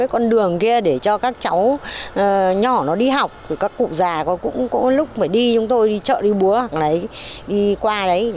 con đường kia để cho các cháu nhỏ nó đi học các cụ già cũng có lúc phải đi chúng tôi đi chợ đi búa đi qua đấy